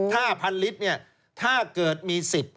ถ้า๑๐๐๐ลิตรถ้าเกิดมี๑๐